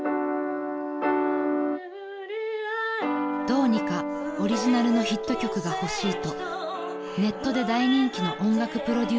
［どうにかオリジナルのヒット曲が欲しいとネットで大人気の音楽プロデューサーに曲作りも依頼しました］